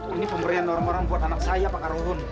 ini pemberian orang orang buat anak saya pak kerohun